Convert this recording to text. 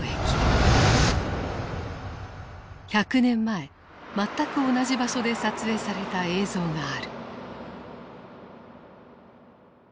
１００年前全く同じ場所で撮影された映像がある。